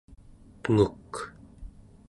tenguk